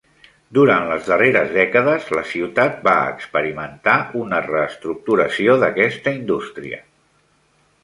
Durant les darreres dècades, la ciutat va experimentar una reestructuració d'aquesta indústria.